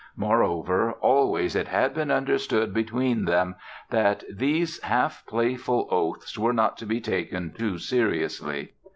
Moreover, always it had been understood between them that these half playful oaths were not to be taken too seriously.